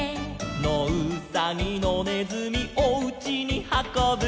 「のうさぎのねずみおうちにはこぶ」